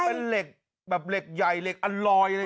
เป็นเหล็กแบบเหล็กใหญ่เหล็กอันลอยเลย